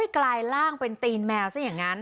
กลายร่างเป็นตีนแมวซะอย่างนั้น